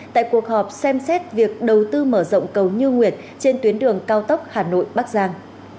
tại cuộc họp xem xét việc đầu tư mở rộng cầu như nguyệt trên tuyến đường cao tốc hà nội bắc giang